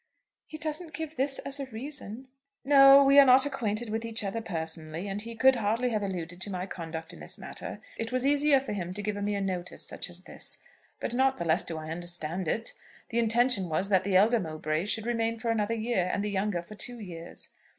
"He doesn't give this as a reason." "No; we are not acquainted with each other personally, and he could hardly have alluded to my conduct in this matter. It was easier for him to give a mere notice such as this. But not the less do I understand it. The intention was that the elder Mowbray should remain for another year, and the younger for two years.